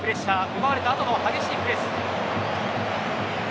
奪われたあとの激しいプレス。